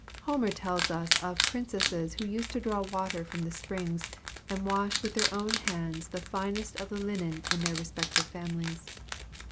Homer tells us of princesses who used to draw water from the springs, and wash with their own hands the finest of the linen of their respective families.